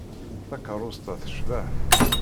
Takeṛṛust-a tecbeḥ.